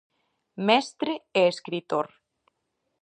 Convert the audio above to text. Mestre e escritor.